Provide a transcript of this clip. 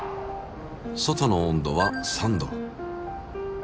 外の温度は３℃。